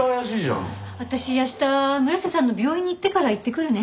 私明日村瀬さんの病院に行ってから行ってくるね。